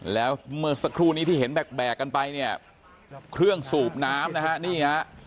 แล้วเมื่อสักครู่นี้ที่เห็นแบกกันไปเนี่ยเครื่องสูบน้ำนะฮะนี่ฮะ